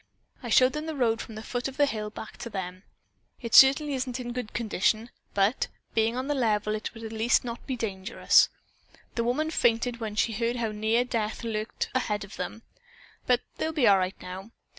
I showed them the road from the foot of the hill back of them. It certainly isn't in good condition, but, being on the level, it at least will not be dangerous. The woman fainted when she heard how near death lurked ahead of them, but they'll be all right now.